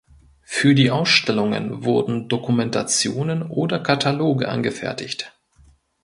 Für die Ausstellungen wurden Dokumentationen oder Kataloge angefertigt.